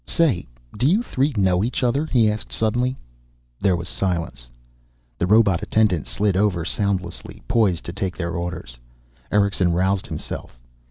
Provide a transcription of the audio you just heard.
"Say, do you three know each other?" he asked suddenly. There was silence. The robot attendant slid over soundlessly, poised to take their orders. Erickson roused himself.